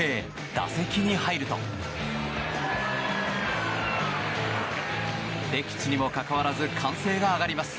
打席に入ると敵地にもかかわらず歓声が上がります。